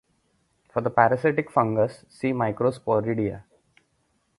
For the parasitic fungus, see Microsporidia.